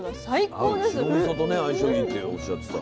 白みそとね相性いいっておっしゃってた。